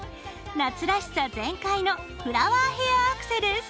夏らしさ全開のフラワーヘアアクセです。